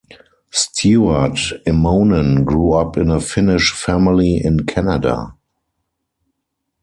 Stuart Immonen grew up in a Finnish family in Canada.